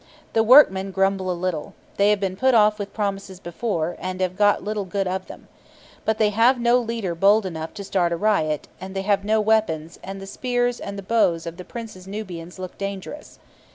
The workmen grumble a little. They have been put off with promises before, and have got little good of them. But they have no leader bold enough to start a riot, and they have no weapons, and the spears and bows of the Prince's Nubians look dangerous.